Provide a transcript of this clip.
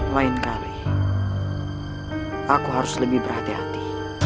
lain kali aku harus lebih berhati hati